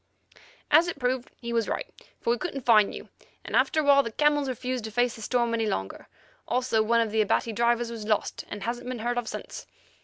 "As it proved, he was right, for we couldn't find you, and after awhile the camels refused to face the storm any longer; also one of the Abati drivers was lost, and hasn't been heard of since.